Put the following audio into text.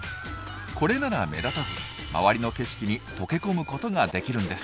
これなら目立たず周りの景色に溶け込むことができるんです。